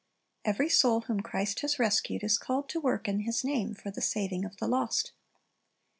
"^ Every soul whom Christ has rescued is called to work in His name for the saving of the lost.